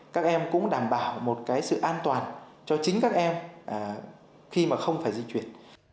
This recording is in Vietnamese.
các em cũng đảm bảo một cái sự an toàn cho chính các em khi mà không phải di chuyển